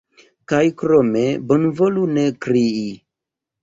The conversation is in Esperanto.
Kaj krome, bonvolu ne krii.